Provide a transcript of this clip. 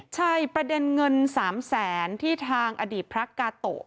ใช่ประเด็นเงิน๓แสนที่ทางอดีตพระกาโตะ